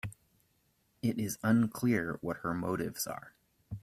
It is unclear what her motives are.